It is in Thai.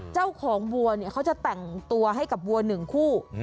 เจ้าของวัวเนี่ยเขาจะแต่งตัวให้กับวัวหนึ่งคู่